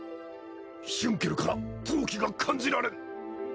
ヒュンケルから闘気が感じられん